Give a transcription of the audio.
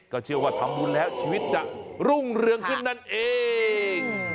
ก็เชื่อว่าทำบุญแล้วชีวิตจะรุ่งเรืองขึ้นนั่นเอง